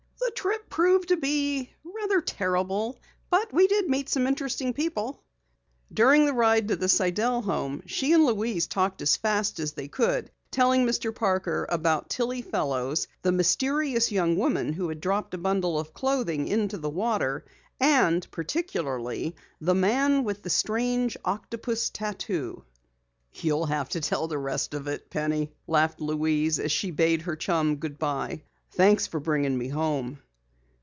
"The trip proved to be rather terrible but we met some interesting people." During the drive to the Sidell home, she and Louise talked as fast as they could, telling Mr. Parker about Tillie Fellows, the mysterious young woman who had dropped a bundle of clothing into the water, and particularly the man with the strange octopus tattoo. "You'll have to tell the rest of it, Penny," laughed Louise as she bade her chum good bye. "Thanks for bringing me home."